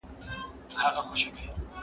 دا انځورونه له هغه ښايسته دي!؟